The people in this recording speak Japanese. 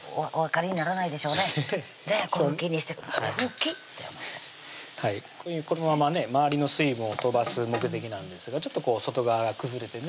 粉ふきにして粉ふきってこのままね周りの水分を飛ばす目的なんですがちょっと外側が崩れてね